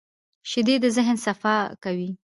شیدې د ذهن صفا کوي